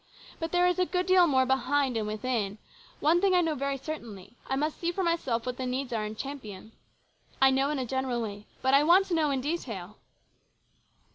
But there is a good deal more behind and within. One thing I know very certainly : I must see for myself what the needs are in Champion. I know in a general way, but I want to know in detail."